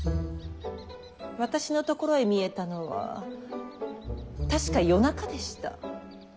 私のところへ見えたのは確か夜中でした。